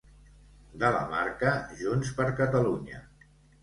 De la marca ‘Junts per Catalunya’